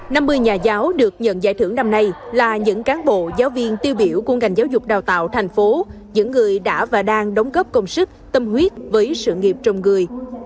năm mươi nhà giáo được nhận giải thưởng năm nay là những cán bộ giáo viên tiêu biểu của ngành giáo dục đào tạo thành phố những người đã và đang đóng góp công sức tâm huyết với sự nghiệp trong người